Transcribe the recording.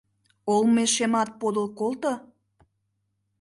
Олмешемат подыл колто.